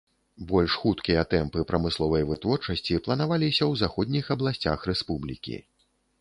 Больш хуткія тэмпы прамысловай вытворчасці планаваліся ў заходніх абласцях рэспублікі.